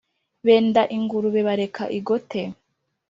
Benda ingurube bareka igote!